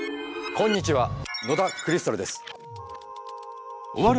こんにちは野田クリスタルです。